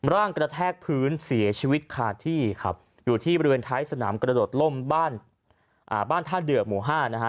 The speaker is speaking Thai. ร่างกระแทกพื้นเสียชีวิตคาที่ครับอยู่ที่บริเวณท้ายสนามกระโดดล่มบ้านบ้านท่าเดือหมู่๕นะฮะ